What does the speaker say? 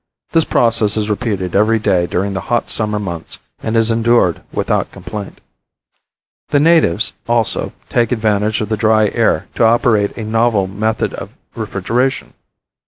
This process is repeated every day during the hot summer months and is endured without complaint. The natives, also, take advantage of the dry air to operate a novel method of refrigeration.